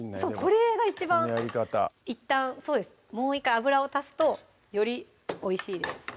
これが一番いったんそうですもう１回油を足すとよりおいしいです